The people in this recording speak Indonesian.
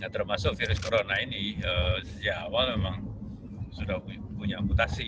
termasuk virus corona ini sejak awal memang sudah punya mutasi